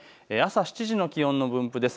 朝７時の気温の分布です。